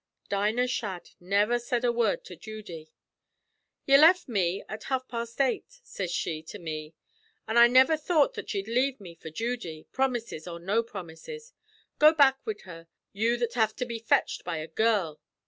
"Dinah Shadd never said a word to Judy. 'Ye left me at half past eight,' sez she to me, 'an' I never thought that ye'd leave me for Judy, promises or no promises. Go back wid her, you that have to be fetched by a girl!